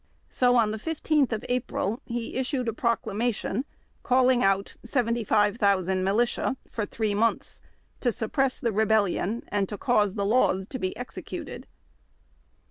So on the 15th of April he issued a proclamation calling out 75,000 militia, for three months, to suppress the Rebel lion, and to cause the laws to be executed.